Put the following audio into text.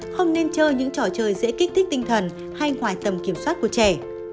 không nên chơi những trò chơi dễ kích thích tinh thần hay ngoài tầm kiểm soát của trẻ